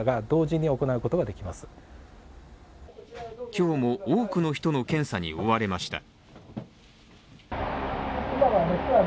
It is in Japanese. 今日も多くの人の検査に追われました。